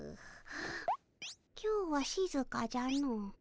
今日はしずかじゃの。